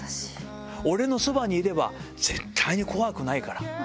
俺のそばにいれば絶対に怖くないから。